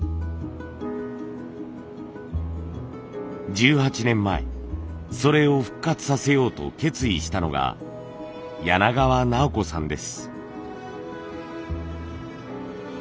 １８年前それを復活させようと決意したのが柳川直子さんです。